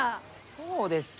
そうですき！